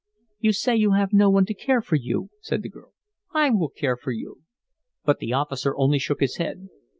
"You say you have no one to care for you," said the girl. "I will care for you." But the officer only shook his head.